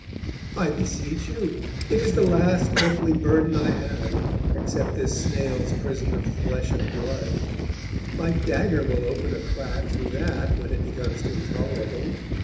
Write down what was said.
'I beseech you. It is the last earthly burden I have, except this snail's prison of flesh and blood. My dagger will open a crack through that when it becomes intolerable.